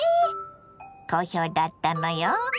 好評だったのよ。